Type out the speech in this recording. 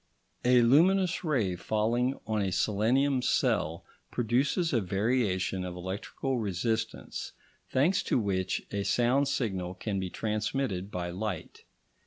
A luminous ray falling on a selenium cell produces a variation of electric resistance, thanks to which a sound signal can be transmitted by light.